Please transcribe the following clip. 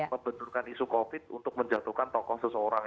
membendurkan isu covid untuk menjatuhkan tokoh seseorang